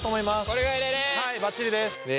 はいバッチリです。